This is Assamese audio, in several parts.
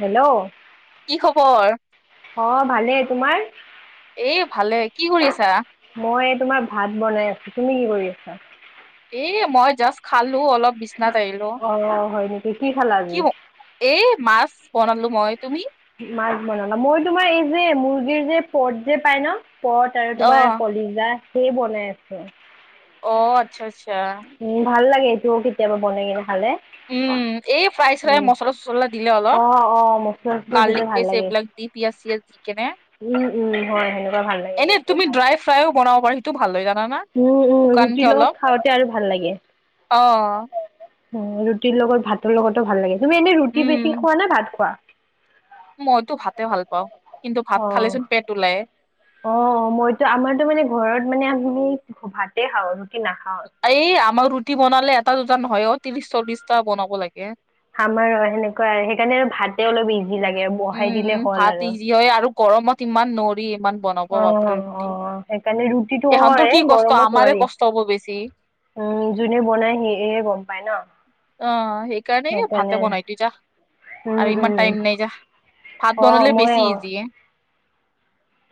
হেল্ল' কি খবৰ? অ' ভালে তোমাৰ এ ভালে কি কৰি আছা? মই তোমাৰ ভাত বনাই আছো তুমি কি কৰি আছা? এ মই জাষ্ট খালো অলপ বিচ বিচনাত আহিলোঁ অ অ হয় নিকি কি খালা আজি? এ মাছ বনালো মই তুমি মাছ বনালা মই তোমাৰ এই যে মুৰ্গীৰ যে পদ যে পাই ন' পট আৰু তোমাৰ অহ কলিজা সেই বনাই আছো অ' আচ্ছা আচ্ছা উম ভাল লাগে এইটোও কেতিয়াবা বনাই কিনে খালে। উম এই ফ্ৰাই চ্ৰাই উম মছলা চচলা দিলে অ অ মচলা অলপ চচলা দিলে গাৰ্লিক ভাল পেষ্ট লাগে এইবিলাক দি পিয়াজ চিয়াজ দি কেনে উম উম হয় সেনেকুৱা ভাল লাগে। এনে এইটো তুমি খাই ড্ৰাই ফ্ৰাইও বনাব পাৰা সেইটো ভাল হয় জানানা। উম উম শুকানকে ৰুটিৰ অলপ লগত খাওঁতে আৰু ভাল লাগে অ উম ৰুটিৰ লগত ভাতৰ লগতো ভাল লাগে তুমি এনেই ৰুটি বেছি উম খোৱা নে ভাত খোৱা। মইতো ভাতে ভাল পাওঁ কিন্তু ভাত খালে অ চোন পেট ওলায়। অ 'মইতো আমাৰতো মানে ঘৰত মানে আমি ভাতে খাওঁ ৰুটি নাখাও এই আমাৰ ৰুটি বনালে এটা দুটা নহয় অ ত্ৰিশ চল্লিশটা বনাব লাগে। আমাৰো সেনেকুৱা আৰু সেইকাৰণে আৰু ভাতে অলপ ইজি লাগে বহাই উম দিলে উম হ'ল ভাত আৰু ইজি হয় আৰু গৰমত ইমান নৰি ইমান বনাব অ বাপৰে অ ৰুটি। সেইকাৰণে ৰুতিটো এহঁতৰ হয় কি কষ্ট গৰমত আমাৰে নোৱাৰি কষ্ট হ'ব বেছি। উম যোনে বনাই সিহে গম পায় ন অ' সেইকাৰণে ভাতে বনাই দিও যা উম আৰু উম ইমান টাইম নাই যা ভাত অ বনালে মই বেছি অ ইজিয়ে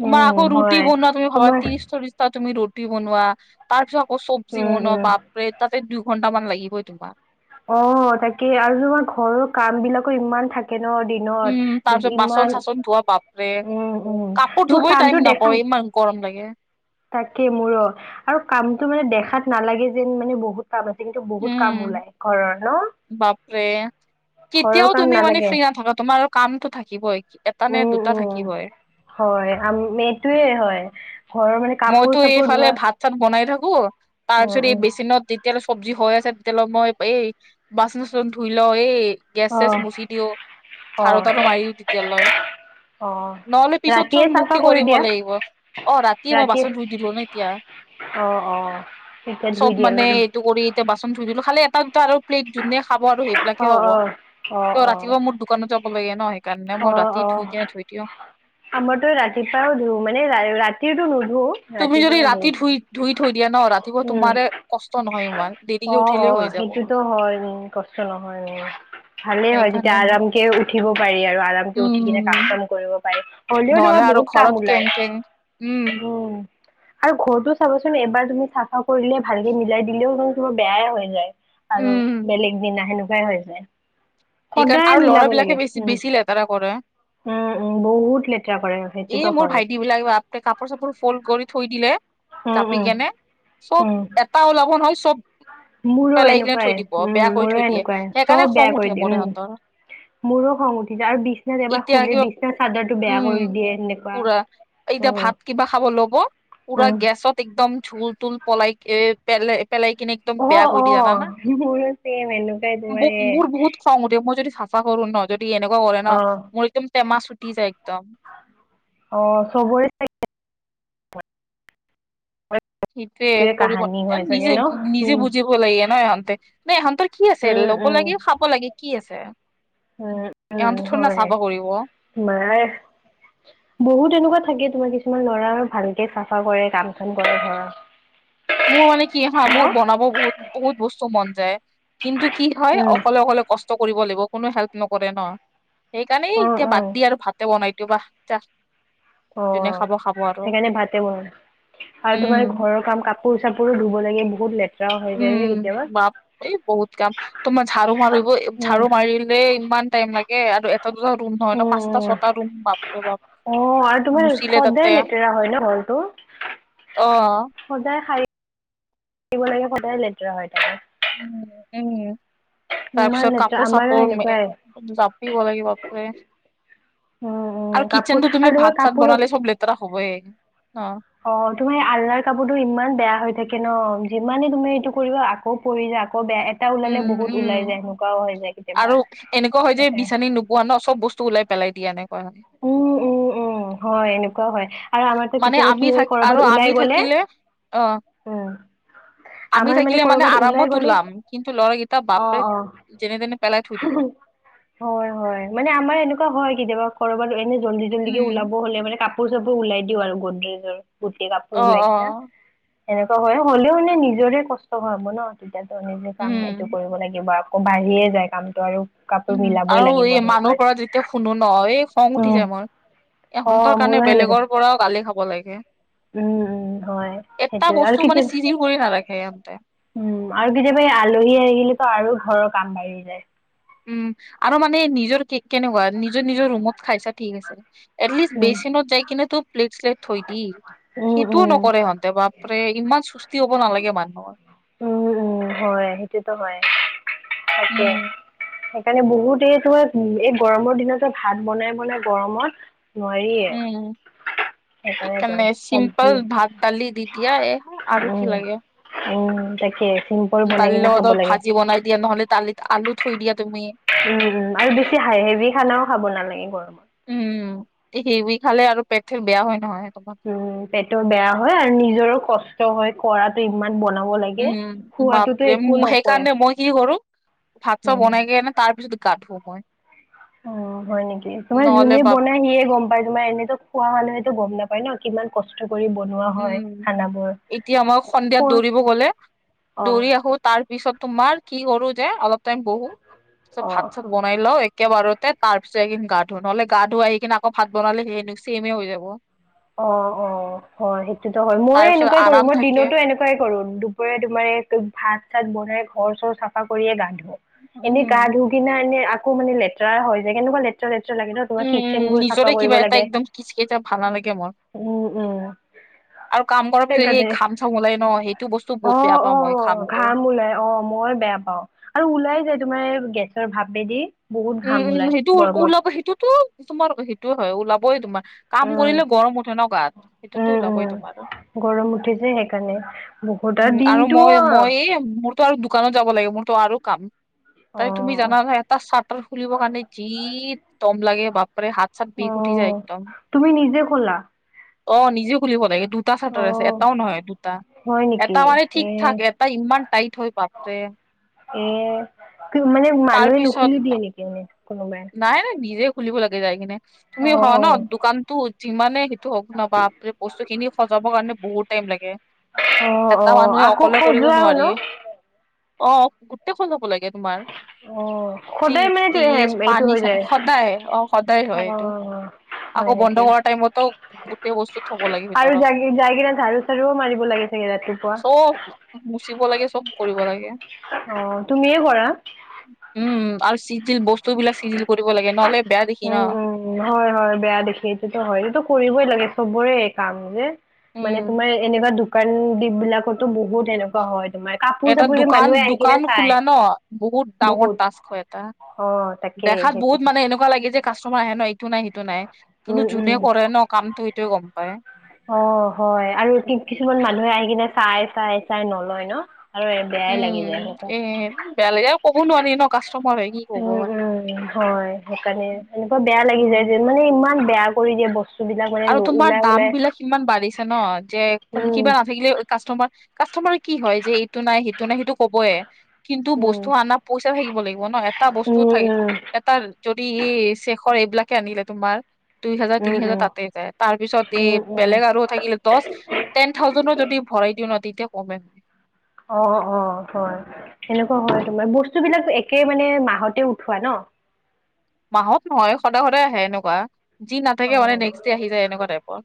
তোমাৰ আকৌ উম ৰুটি হয় বনোৱা তুমি ভাবা তোমাৰ ত্ৰিশ চল্লিশ তুমি ৰুটি বনোৱা তাৰ পিছত আকৌ চব্জি উম বনোৱা উম বাপ বাপৰে তাতে দুই ঘণ্টামান লাগিবই তোমাৰ অ' তাকে আৰু তোমাৰ ঘৰৰ কাম বিলাকো ইমান থাকে কেনৰ উম, তাৰ দিনত পিছত বাচন ইমান চাচন ধোৱা বাপৰে। উম উম কাপোৰ তোমাৰ ধুবই টাইম কামটো নাপাওঁ দেখা ইমান গৰম লাগে তাকে মো-ৰ আৰু কামটো মানে দেখাত নালাগে যেন মানে বহুত কাম আছে কিন্তু বহুত উম, কাম ওলাই ঘৰৰ ন বাপৰে ঘৰৰ কেতিয়াও কাম তুমি মানে নালাগে ফ্ৰী নাথাকা তোমাৰ কামটো থাকিবই এটা নে উম দুটা উম থাকিবই হয় আম এটোৱে হয় ঘৰৰ মানে কাপোৰ মইতো চাপোৰ এইফালে ধোৱা ভাত চাত বনাই থাকো তাৰ উম পিছত এই উম বেচিনত তিত তিয়ালৈ চব্জি হৈ আছে তেতিয়ালৈ মই এই বাচন চাচন ধুই লওঁ এই গেছ অ চেছ মুচি দিও অ ঝাৰু তাৰু মাৰি দি তেতিয়ালৈ অ নহলে পিছত ৰাতিয়ে চোন চাফা মোকে কৰি কৰিব দিয়া লাগিব অ ৰাত কি মই ৰাতি বাচন ধুই দিলোঁ ন এতিয়া অ অ তেতিয়া ধুই চব দিয়া ন। মানে টো কৰি এতিয়া বাচন ধুই দিলো খালি এটা দুটা আৰু প্লেট যোনে খাব আৰু সেইবিলাকে অ হ'ব অ অ অ তে ৰাতিপুৱা মোৰ দোকানত যাব লাগে ন সেইকাৰণে অ মই ৰাতি অ ধুই কেনে থৈ দিও আমাৰতো ৰাতিপুৱাও ধো মানে ৰা ৰাতিওটো নুধো তুমি যদি ৰাতিপুৱাও ধুও ৰাতি ধুই ধুই থৈ দিয়া ন ৰাতিপুৱা উম তোমাৰে কষ্ট নহয় ইমান দি অ অ সেইটোতো হয় উ কষ্ট নহয় ওম্ ভালে হয় তেতিয়া সেইকাৰণে মই আৰামকে উঠিব পাৰি আৰু আৰামকে উঠি কিনে কাম উম কাম কৰিব পাৰি হলেও নহলে তোমাৰ আৰু বহুত কাম ঘৰত ওলাই কেং কেং উম আৰু ঘৰতো চাবচোন এবাৰ তুমি চাফা কৰিলে ভালকে মিলাই দিলেও তোমাৰ বেয়াই হৈ যায় আৰু উম বেলেগ দিনা সেনেকুৱাই হৈ যায় সেইকাৰণে সদায় আৰু মিলাব ল'ৰাবিলাকে লাগে বেছি হোম বেছি লেতেৰা কৰে উম উম বহুত লেতেৰা কৰে এই সেইটোতো মোৰ হয় ভাইটি বিলাক বাপৰে কাপোৰ চাপোৰ ফল্ড কৰি থৈ দিলে উম, জাপি উম। কেনে চব উম, এট টা ওলাব নহয় চব মোৰো পেলাই কিনে এনেকুৱাই থৈ দিব উম, বেয়া কৰি মোৰো থৈ দিয়ে এনেকুৱাই চব সেইকাৰণে খং বেয়া কৰি উঠে দিয়ে মোৰ ইহঁতৰ [unintelligible] মোৰো খং উঠি যায় আৰু বিছনাত এবাৰ এতিয়া শুলে কিবা বিছনা চাদৰটো বেয়া উম কৰি দিয়ে এনেকুৱা পুৰা এতিয়া ভাত কিবা খাব ল'ব পুৰা উম, গেছত একদম ঝুল তুল পলাই পেলাই পেলাই কিনে একদম অ বেয়া কৰি অ দিয়ে জানানা মোৰো চছে এনেকুৱাই কৰে মোৰ বহুত খং উঠে মই যদি চাফা কৰো ন যদি এনেকুৱা কৰে ন অ', মোৰ একদম টেমা চুটি যায় একদম অ চবৰে এইটোৱে সিটোৱে কৰিব কাহানী হয় চাগে নিজে ন? নিজে উম। বুজিব লাগে ন এহঁতে নে ইহঁতৰ কি আছিল উম, ল'ব উম, লাগে খাব লাগে কি আছে ইহঁতে থুৰি না চাফা কৰিব মাই বহুত এনেকুৱা থাকে তোমাৰ কিছুমান ল'ৰা ভালকে চাফা কৰে কাম চাম কৰে ধৰা মোৰ মানে কি হা মোৰ বনাব বহুত বহুত বস্তু মন যায় কিন্তু কি হয় উম, অকলে অকলে কষ্ট কৰিব লাগিব কোনো হেল্প নকৰে ন সেইকাৰণেই উম, এতিয়া উম, বাদ দি আৰু ভাতে বনাই দিও বা যা যোনে অঁহ, খাব খাব আৰু সেইকাণে ভাতে বনোৱা আৰু তোমাৰ উম ঘৰৰ কাম কাপ- কাপোৰ চাপোৰো ধুব লাগে বহুতে লেত উম বাপ- এই বহুত কাম তোমাৰ ঝাৰু মাৰিব উম। ঝাৰু মাৰিলে ইমান টাইম লাগে আৰু- এটা দুটা ৰুম নহয় ন পচটা উম ছটা ৰুম বাপ ৰে বাপ অ উম আৰু তোমাৰ মুচিলে তাতে সদায় লেতেৰা হয় ন ঘৰটো অ সদায় সাৰিব লাগে সদায় লেতেৰা হয় তাকে উম উম তাৰ ইমান পিছত লেতেৰা কাপোৰ আমাৰো চাপোৰ সেনেকুৱাই জাপিব লাগিব বাপৰে উম উম আৰু কাপোৰ কিচেনটো তুমি আৰু তোমাৰ ভাত চাত কাপোৰো বনালে চব লেতেৰা হবই অ অ তোমাৰ আল্লাৰ কাপোৰটো ইমান বেয়া হৈ থাকে ন যিমানে তুমি এইটো কৰিবা আকৌ পৰিযা আকৌ বেয়া এটা ওলালে উম বহুত উম ওলাই যায় সেনেকুৱাও হৈ যায় কেতিয়াবা তাকে বোৱা ন বস্ত ওলাই পেলাই দিয়া নাই এনেকুৱা হয়। উম উম উম হয় এনেকুৱা হয়। আৰু আমাৰতো মানে কেতিয়াবা কি আমি হয় থাক কৰ'বাত আৰু ওলাই আমি গ'লে থাকিলে অঁহ। উম, আমি আমাৰ থাকিলে মানে কৰ'বাত ওলাই আৰামত গ'লে ওলাম কিন্তু ল'ৰাকেইটা বাপৰে অ', অ'। যেনে তেনে পেলাই থৈ দিব। হয় হয় মানে আমাৰ এনেকুৱা হয় কেতিয়াবা কৰবাত এনে জল্দি জল্দিকে উম ওলাব হ'লে মানে ক- কাপোৰ চাপোৰ ওলাই দিওঁ আৰু গড্ৰজৰ গুটি কাপোৰ অ ওলাই অ কিনা। এনেকুৱা হয় হলেও মানে নিজৰে কষ্ট হয় হব ন তেতিয়াতো নিজে কাম এইটো উম কৰিব লাগিব। ক বাঢ়িয়ে যায় কামটো আৰু। কাপোৰ উম মিলাবই আৰু লাগিব এই সেনেকুৱা। মানুহৰ পৰা যে- তিয়া শুনো নহ এই খং উঠি উম, যায় মোৰ, অ', এহঁতৰ কাৰণে মোৰো সেনেকুৱা। বেলেগৰ পৰাও গালি খাব লাগে। উম, উম, হয়, এটা সেইটোয়ে আৰু বস্তু মানে কেতিয়াবা চিজিৰ কৰি নাৰাখে ইহঁতে। উম আৰু কেতিয়াবা এই আলহী আহিলো আৰু ঘৰৰ কাম বাঢ়ি যায়। উম আৰু মানে নিজৰ কেনেকুৱা নিজৰ-নিজৰ ৰুমত খাইছা ঠিক আছে। এটলিষ্ট উম। বেচিনত যাই কিনে তোৰ প্লেট চিলেট থৈ দি, উম সেইটো নক উম নকৰে সিহঁতে বাপৰে ইমান সুস্তি হ'ব নালাগে মানুহৰ। উম উম হয় সেইটোতো হয় তাকে। উম, সেইকাৰণে বহুতে তোৱ এই গৰমৰ দিনটো ভাত বনাই-বনাই গৰমত নোৱাৰিয়ে। উম, সেই কাৰণেতো সেইকাৰণে চবজি চিম্পল ভাত দালি দি দিয়া এ হয়, আৰু কি উম। লাগে। উম তাকে, কিন্তু দালিৰ লগত ভাজি বনাই দিয়া নহ'লে দালিত আলু থৈ দিয়া তুমি। উম-উম আৰু বেছি হাই হেভি খানাও খাব নালাগে গৰমত। উম হেভি খালে আৰু পেটহে বেয়া হয় নহয় তোমাৰ উম পেটো বেয়া হয় আৰু নিজৰো কষ্ট হয়। কৰাটো ইমান বনাব লাগে, উম, খোৱাতো বাপৰে একো ম- নকয়। সেইকাৰণে মই কি কৰো ভাত চাত উম বনাই কেনে তাৰ পিছত গা ধুৱ মই। অ' হয় নেকি তোমাৰ নহ'লে যোনে বাপ বনাই সিয়ে গম পায় তোমাৰ এনেতো খোৱা মানুহেতো গম নাপায় ন'। কিমান কষ্ট কৰি বনোৱা উম। হয় খানাবোৰ। এতিয়া মই সন্ধিয়া [unintelligible] দৌৰিব গ'লে দৌৰি আহো তাৰ পিছত তোমাৰ কি কৰোঁ যে অলপ টাইম বহো, তাৰ পাছত অ' ভাত চাত বনাই লও একেবাৰতে তাৰ পিছত আহি গা ধুৱ, নহ'লে গা ধুই আহি কিনে আকৌ ভাত বনালে সেই চেমে হৈ যাব। অ'-অ' হয় সেইটোতো হয় মই তাৰ পিছত এনেকুৱাই কৰোঁ আৰাম মই থাকে দিনতো এনেকে প্ৰিয়াই কৰোঁ দুপৰীয়া তোমাৰ ভাত চাত বনাই ঘৰ চৰ চাফা কৰিয়ে গা ধো। উম এনেই গা ধুই কিনা এনে আকৌ মানে লেতেৰা হৈ যায় কেনেকুৱা লেতেৰা লাগে ন' তোমাৰ উম উম কিচেনবোৰ নিজৰে চাফা কিবা কৰিব এটা লাগে। একদম কিচ কেইটা ভাল নালাগে মোৰ। উম-উম। আৰু কাম কৰাৰ পিছত এই সেইকাৰণে ঘাম চাম ওলাই ন সেইটো বস্তু বহুত বেয়া পাওঁ মই অ'-অ' ঘামটো ঘাম ওলাই অ' মই বেয়া পাওঁ আৰু ওলাই যায় তোমাৰ গেছৰ ভাপেদি বহুত ঘাম উম-উম ওলাই সেইটো গৰমত। ওলাব সেইটোতো তোমাৰ সেইটোৱে হয় ওলাবই তোমাৰ। কাম উম, কৰিলে গৰম উঠে ন' গাত সেইটোতো উম, ওলাবই উম। তোমাৰ। গৰম উঠে যে সেইকাৰণে বহুত আৰু দিনটো এ মোৰটো আৰু দোকানো যাব লাগে মোৰটো আৰু কাম, তাই তুমি অ', জানা নহয় এটা চ খুলিব কাৰণে যি দম লাগে বাপাৰে হাত চাত অ বিষ উঠি যায় একদম। তুমি নিজে ক'লা অ' নিজেই খুলিব লাগে দুটা চাৰ্টাৰ আছে অ', এটাও নহয় দুটা। হয় নেকি এটা মানে এ ঠিক ঠাক এটা ইমান টাইট হৈ বাপৰে। এ মানে মানুহে নুখুলি দিয়ে নেকি মানে কোনোবাই। নাই-নাই নিজে খুলিব লাগে যাই কিনে তুমি অ', [unintelligible] দোকানতো যিমানে টো হওক না বাপৰে বস্তু খিনি সজাবৰ কাৰণে বহুত টাইম লাগে। অ', অ', এটা অ', মানুহে আকৌ অকলে কৰিব খজুৱাও ন? নোৱাৰি। অ' গোটেই খনকে লাগে তোমাৰ। অ' সদায় চিপছ মানেটো টিপছ এইটো পানী হৈ চানী যায়, সদায় অ সদায় হয় এইটো অ' হয় আকৌ বন্ধ নেকি কৰা টাইমতো গোটেই বস্তু থব লাগে আৰু ভিতৰত যা যাই কিনা যাৰো জাৰো মাৰিব লাগি চাগে ৰাতিপুৱা। চব মুচিব লাগে চব কৰিব লাগে। অ' তুমিয়ে কৰা? উম আৰু চিজিল বস্তু বিলাক চিজিল কৰিব লাগে নহ'লে বেয়া দেখি উম ন'। উম হয়-হয় বেয়া দেখি এইটো হয় এইটো কৰিবই লাগে চবৰে কাম যে মানে উম তোমাৰ এনেকুৱা দোকান দি বিলাকতো বহুত এনেকুৱা হয় তোমাৰ কাপোৰ এটা চাপোৰ যে মানুহে আহি কিনে দোকান-দোকান চাই খোলা ন' বহুত ডাঙৰ টাক্স হয় এটা। অ তাকেই দেখাত বহুত সেইটোতো মানে এনে এনেকুৱা লাগে যে কাষ্টমাৰ আহে ন' এইটো নাই সিটো নাই কিন্তু উম উম যোনে কৰে ন' কামটো সেইটোৱে গম পায়। অ' হয় আৰু কি কিছুমান মানুহে আহি কিনে চাই-চাই-চাই নলয় ন' আৰু বেয়াই লাগি উম যায় সেনেকুৱা এ বেয়া লাগে আৰু ক'ব নোৱাৰি ন কাষ্টমাৰ হয়। কি কব উম পাৰি উম হয় সেইকাৰণে এনেকুৱা বেয়া লাগি উম যায় যে মানে ইমান বেয়া কৰি দিয়ে বচ আৰু তোমাৰ দামবিলাক ইমান বাঢ়িছে ন যে কোন উম কিবা নাথাকিলে কাষ্টমাৰ কাষ্টমাৰে কি হয় যে এইটো নাই সেইটো নাই সেইটো কবয়ে। কিন্তু উম বস্তু আনা পইচা থাকিব লাগিব ন। এটা বস্তু উম থাক উম এটা যদি ই শেখৰ এইবিলাকে আনিলে তোমাৰ দুই হাজাৰ, তিনি উম হাজাৰ উম তাত তে যাই তাৰ পিছত এ উম উম বেলেগ আৰু থাকিলে দছ টেন থাউজেন্দো যদি ভৰাই দিও ন তেতিয়া কমে অ, অ হয়। সেনেকুৱা হয় তোমাৰ। বস্তু বিলাক একে মানে মাহতে উঠোৱা ন? মাহত নহয়। সদায় সদায় আহে এনেকুৱা, যি অ নাথাকে মানে নেক্সট ডে আহি যায় এনেকুৱা টাইপৰ।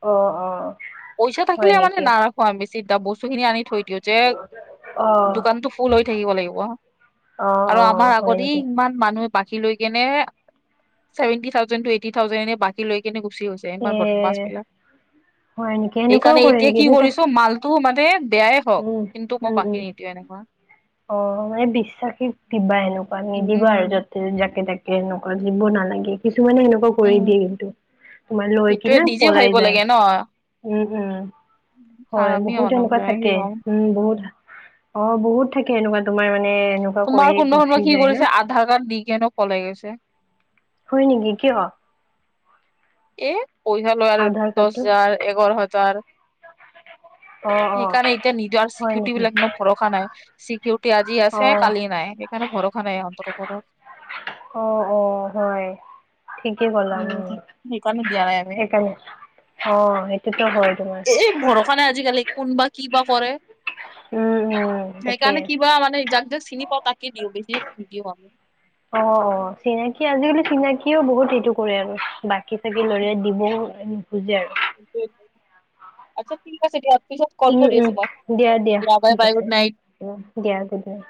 অ, অ। পইচা থাকিলে হয় মানে নেকি নাৰাখো আমি। চিধা বস্তুখিনি আনি থৈ দিওঁ যে অ দোকানটো ফুল হৈ থাকিব লাগিব অ আৰু অ আমাৰ হয় আগতে নেকি ইমান মানুহে বাকী লৈ কেনে seventy thousand to eighty thousand এনে বাকী লৈ কেনে গুচি গৈছে। এ তেনেকুৱা বদমাচ, হয় নেকি এনেকুৱাও সেইকাৰণে কৰে এতিয়া নেকি কি কৰিছো মাল টো মানে বেয়াই হওক, উম কিন্তু মই উম উম বাকী নিদিওঁৱে নহয়। অ মানে বিশ্বাসীক দিবা এনেকুৱা নিদিবা আৰু উম যত যাকে তাকে এনেকুৱা দিব নালাগে। কিছুমানে সেনেকুৱা কৰি দিয়ে উম কিন্তু। মানে লৈ সেইটোৱে কিনা নিজে পলাই ভাবিব যায়। লাগে ন উম, উম। হয়, আমি বহুত এনেকুৱা কি থাকে। হম উম বহুত, অ বহুত থাকে এনেকুৱা তোমাৰ মানে এনে তোমাৰ কোনোবা কোনবাই কি কৰিছে আধাৰ কাৰ্ড দি কিনেও পলাই গৈছে। হয় নেকি কিয়? এ পইচা লয় আৰু আধাৰ দছ কাৰ্ডটো হাজাৰ, এঘাৰ হাজাৰ। অ অ সেইকাৰণে এতিয়া নিদিও আৰু হয় নেকি চিকিউৰিটিবিলাক ন ভৰসা নাই চিকিউৰিটি আজি অ আছে, কালি নাই। সেইকাৰণে ভৰসা নাই ইহঁতৰ ওপৰত। অ, অ হয়। ঠিকেই ক'লা, উম সেইকাৰণে দিয়া নাই আমি। সেইকাৰণে অ সেইটোতো হয় তোমাৰ। এই ভৰসা নাই আজি-কালি কোনবা কি বা কৰে? উম, উম তাকেই। সেইকাৰণে কিবা মানে যাক যাক চিনি পাওঁ তাকে দিওঁ, বেচি নিদিওঁ আৰু। অ, অ চিনাকি আজি-কালি চিনাকিও বহুত সেইটো কৰে আৰু বাক বাকী-চাকী উম, ল'লে দিবও নখুজে আৰু। আচ্ছা ঠিক আছে দিয়া পিছত কল উম কৰি উম আছো মই। দিয়া বাই, বাই গুড নাইট। উম, দিয়া গুড নাইট।